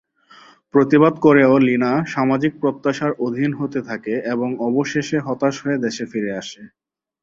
প্রতিবাদ করেও লিনা সামাজিক প্রত্যাশার অধীন হতে থাকে এবং অবশেষে হতাশ হয়ে দেশে ফিরে আসে।